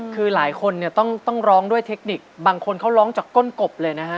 คือหลายคนเนี่ยต้องร้องด้วยเทคนิคบางคนเขาร้องจากก้นกบเลยนะฮะ